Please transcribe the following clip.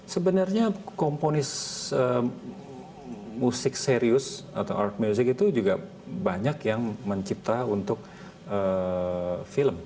sebenarnya komponis musik serius atau art music itu juga banyak yang mencipta untuk film